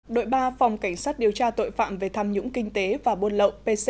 đội ba phòng cảnh sát điều tra tội phạm về tham nhũng kinh tế và buôn lậu pc